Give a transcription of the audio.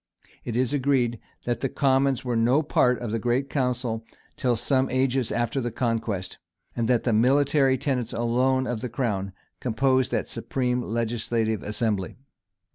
It is agreed, that the commons were no part of the great council till some ages after the conquest; and that the military tenants alone of the crown composed that supreme and legislative assembly.